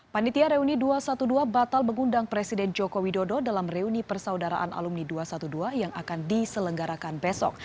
panitia reuni dua ratus dua belas batal mengundang presiden joko widodo dalam reuni persaudaraan alumni dua ratus dua belas yang akan diselenggarakan besok